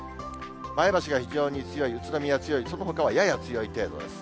前橋が非常に強い、宇都宮は強い、そのほかはやや強い程度です。